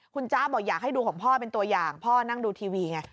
คุณจ๊ะบอกอยากให้ดูของพ่อเป็นตัวอย่างพ่อนั่งดูทีวีไง